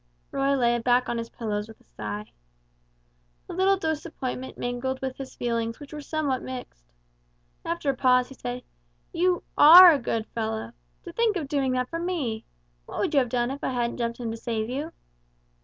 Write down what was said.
Roy lay back on his pillows with a sigh. A little disappointment mingled with his feelings which were somewhat mixed. After a pause, he said, "You are a good fellow! To think of doing that for me! What would you have done if I hadn't jumped in to save you?"